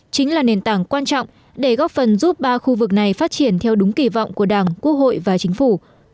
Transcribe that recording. chính là nền tảng quan trọng để góp phần giúp ba khu vực này phát triển theo đúng kỳ vọng của đảng quốc hội và chính phủ